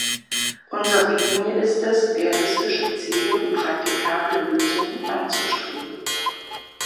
Unsere Linie ist es, realistische Ziele und praktikable Lösungen anzustreben.